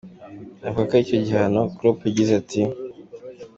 Avuga kuri icyo gihano, Klopp yagize ati:.